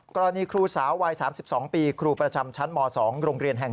ครูสาววัย๓๒ปีครูประจำชั้นม๒โรงเรียนแห่ง๑